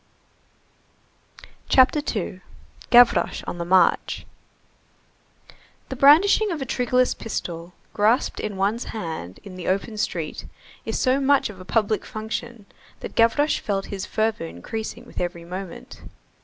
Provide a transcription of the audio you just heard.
CHAPTER II—GAVROCHE ON THE MARCH The brandishing of a triggerless pistol, grasped in one's hand in the open street, is so much of a public function that Gavroche felt his fervor increasing with every moment.